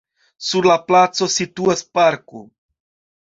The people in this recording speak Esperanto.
Sur la placo situas parko.